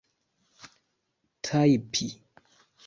tajpi